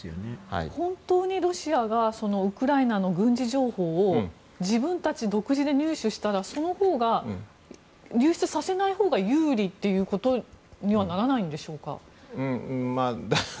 本当にロシアがウクライナの軍事情報を自分たち独自で入手したらそのほうが流出させないほうが有利ということにはならないんでしょうか。